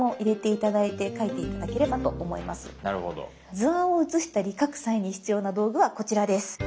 図案を写したり描く際に必要な道具はこちらです。